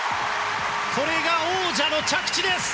これが王者の着地です！